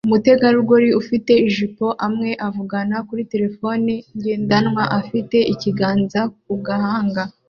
Umutegarugori ufite amajipo amwe avugana kuri terefone ngendanwa afite ikiganza ku gahanga